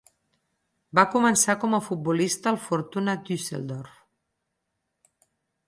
Va començar com a futbolista al Fortuna Düsseldorf.